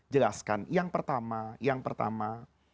jelaskan yang pertama yang pertama